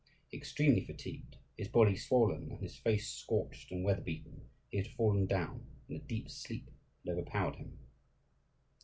Extremely fatigued, his body swollen, and his face scorched and weatherbeaten, he had fallen down, and a deep sleep had overpowered him.